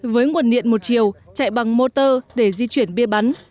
với nguồn điện một chiều chạy bằng motor để di chuyển bia bắn